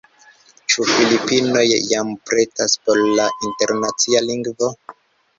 Ĉu Filipinoj jam pretas por la Internacia Lingvo?